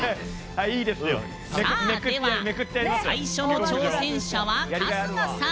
最初の挑戦者は春日さん。